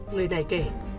người này kể